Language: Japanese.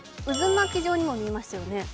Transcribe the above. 渦巻き状にも見えますよね。